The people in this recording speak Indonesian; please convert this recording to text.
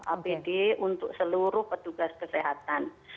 apd untuk seluruh petugas kesehatan